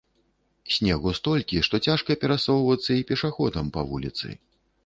Снегу столькі, што цяжка перасоўвацца і пешаходам па вуліцы.